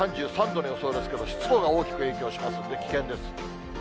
３３度の予想ですけど、湿度が大きく影響しますんで、危険です。